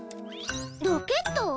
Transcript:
ロケット？